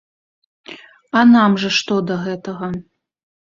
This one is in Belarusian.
А нам жа што да гэтага?